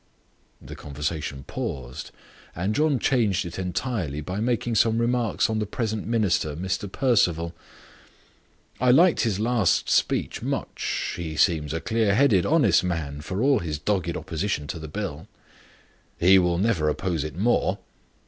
The conversation paused, and John changed it entirely by making some remarks on the present minister, Mr. Perceval. "I liked his last speech much. He seems a clear headed, honest man, for all his dogged opposition to the Bill." "He will never oppose it more."